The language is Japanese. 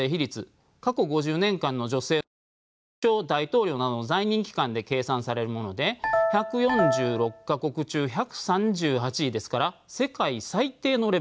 過去５０年間の女性の首相・大統領などの在任期間で計算されるもので１４６か国中１３８位ですから世界最低のレベルです。